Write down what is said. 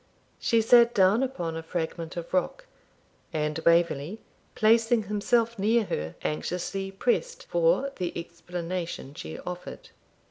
She sat down upon a fragment of rock, and Waverley, placing himself near her, anxiously pressed for the explanation she offered.